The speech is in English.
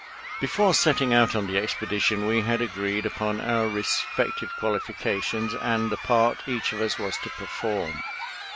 Before setting out on the expedition we had agreed upon our respective qualifications and the part each of us was to perform.